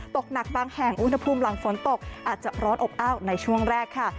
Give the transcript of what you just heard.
ตกหนักบางแห่งอุณหภูมิหลังฝนตกอาจจะร้อนอบอ้าวในช่วงแรกค่ะ